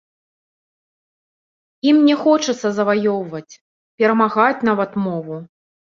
Ім не хочацца заваёўваць, перамагаць нават мову!